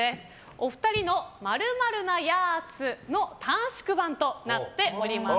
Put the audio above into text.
お二人の○○なやーつの短縮版となっております。